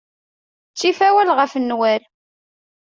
Ttif awal ɣef nnwal.